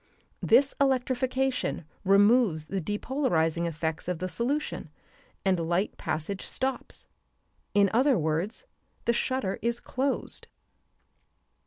This electrification removes the depolarizing effects of the solution and light passage stops; in other words, the shutter is closed.